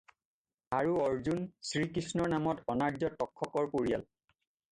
আৰু অৰ্জুন, শ্ৰী কৃষ্ণৰ মানত অনাৰ্য তক্ষকৰ পৰিয়াল।